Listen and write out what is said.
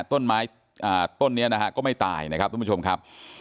ต้นไม้ต้นนี้นะฮะก็ไม่ตายนะครับทุกผู้ชมครับ